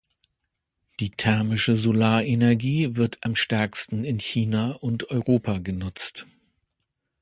Die thermische Solarenergie wird am stärksten in China und Europa genutzt.